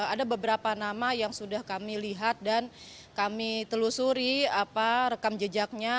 ada beberapa nama yang sudah kami lihat dan kami telusuri rekam jejaknya